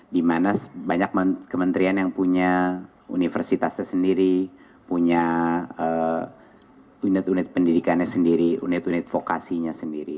di mana banyak kementerian yang punya universitasnya sendiri punya unit unit pendidikannya sendiri unit unit vokasinya sendiri